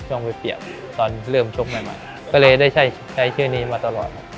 ช่วงวิเตียบตอนเริ่มชกมวยมากก็เลยได้ใช้ใช้ชื่อนี้มาตลอดครับ